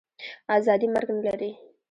آزادي مرګ نه لري.